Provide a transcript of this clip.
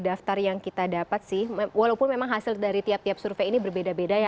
daftar yang kita dapat sih walaupun memang hasil dari tiap tiap survei ini berbeda beda ya